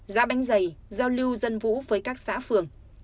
ra bánh giày giao lưu dân vũ với các xã phường